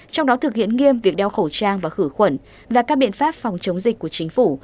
trong đó thực hiện nghiêm việc đeo khẩu trang và khử khuẩn và các biện pháp phòng chống dịch của chính phủ